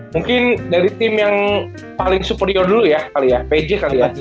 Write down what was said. mungkin dari tim yang paling superior dulu ya kali ya pj kali ya